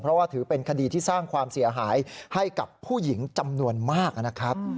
เพราะว่าถือเป็นคดีที่สร้างความเสียหายให้กับผู้หญิงจำนวนมากนะครับ